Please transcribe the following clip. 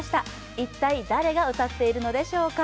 一体誰が歌っているのでしょうか。